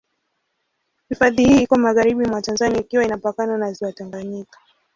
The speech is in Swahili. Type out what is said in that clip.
Hifadhi hii iko magharibi mwa Tanzania ikiwa inapakana na Ziwa Tanganyika.